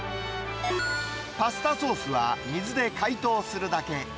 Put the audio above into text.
パスタソースは水で解凍するだけ。